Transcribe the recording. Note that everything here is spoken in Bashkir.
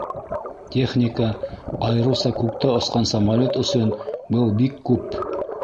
Техника, айырыуса күктә осҡан самолет өсөн был бик күп.